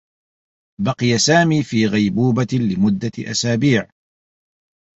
بقي سامي في غيبوبة لمدّة أسابيع.